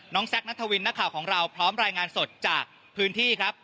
แซคนัทวินนักข่าวของเราพร้อมรายงานสดจากพื้นที่ครับ